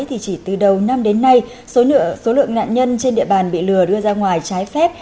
thì chỉ từ đầu năm đến nay số lượng nạn nhân trên địa bàn bị lừa đưa ra ngoài trái phép